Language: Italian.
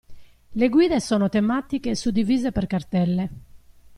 Le guide sono tematiche suddivise per cartelle.